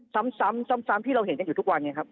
ซ้ำที่เราเห็นกันอยู่ทุกวันนี้ครับ